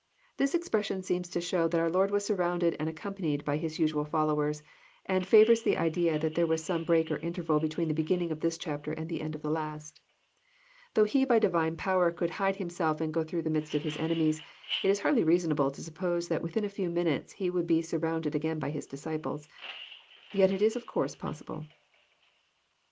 '] This expression seems to show that our Lord was surrounded and accompanied by His usual followers, and favours the idea that there was some break or interval between the beginning of this chapter and the end of the last. Though He by Divine power could hide Himself and go through the midst of His enemies, it is hardly reasonable to suppose that within a few minutes He would be surrounded again by His disciples. Yet it is of course possible.